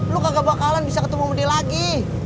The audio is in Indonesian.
lo gak bakalan bisa ketemu sama dia lagi